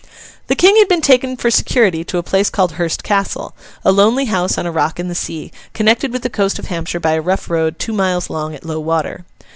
The King had been taken for security to a place called Hurst Castle: a lonely house on a rock in the sea, connected with the coast of Hampshire by a rough road two miles long at low water.